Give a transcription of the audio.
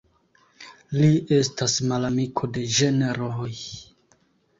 Li estas malamiko de ĝenroj.